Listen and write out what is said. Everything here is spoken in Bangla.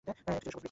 এটি চিরসবুজ বৃক্ষ।